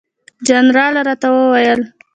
جنرال راته وویل.